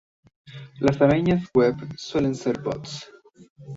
Las arañas web suelen ser bots.